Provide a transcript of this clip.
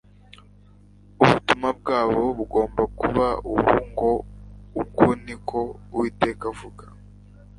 Ubutumwa bwabo bugomba kuba ubu ngo Uku ni ko Uwiteka avuga